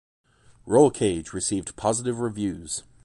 "Rollcage" received positive reviews.